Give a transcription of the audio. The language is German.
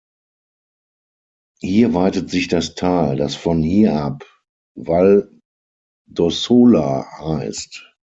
Hier weitet sich das Tal, das von hier ab Valle d’Ossola heißt.